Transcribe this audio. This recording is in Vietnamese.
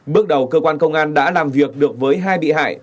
bước đầu cơ quan công an đã làm việc được với hai bị hại